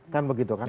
kan begitu kan